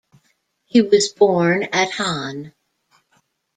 He was born at Hann.